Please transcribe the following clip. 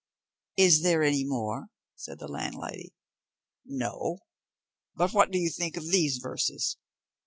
"Is there any more?" said the landlady. "No. But what do you think of these verses?"